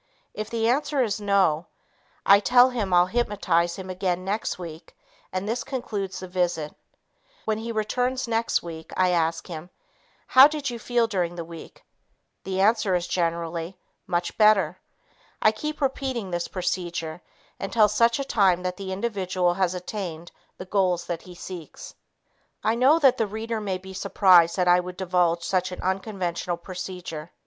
If the answer is, "No," I tell him I'll "hypnotize" him again next week and this concludes the visit. When he returns next week, I ask him, "How did you feel during the week?" The answer is generally, "Much better." I keep repeating this procedure until such time that the individual has attained the goals that he seeks. I know that the reader may be surprised that I would divulge such an unconventional procedure.